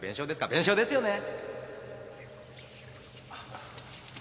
弁償ですよね？